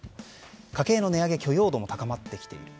家計の値上げ許容度も高まってきている。